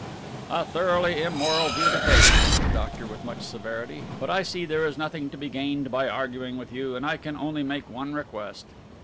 "A thoroughly immoral view to take," said the doctor with much severity, "but I see there is nothing to be gained by arguing with you, and I can only make one request."